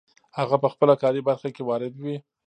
هغه په خپله کاري برخه کې وارد وي.